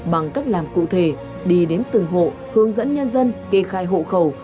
bằng cách làm cụ thể đi đến từng hộ hướng dẫn nhân dân kê khai hộ khẩu